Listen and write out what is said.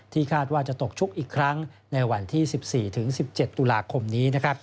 คาดว่าจะตกชุกอีกครั้งในวันที่๑๔๑๗ตุลาคมนี้